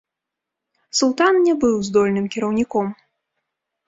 Султан не быў здольным кіраўніком.